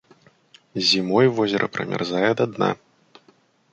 Зімой возера прамярзае да дна.